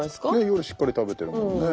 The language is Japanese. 夜しっかり食べてるもんね